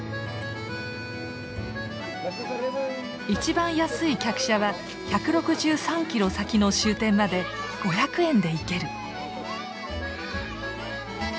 一番安い客車は１６３キロ先の終点まで５００円で行ける。